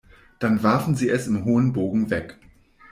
Dann warfen sie es im hohen Bogen weg.